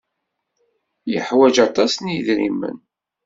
Yeḥwaj aṭas n yidrimen?